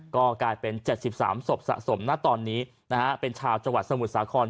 ก็กลายเป็น๗๓ศพสะสมณตอนนี้นะฮะเป็นชาวจังหวัดสมุทรสาคร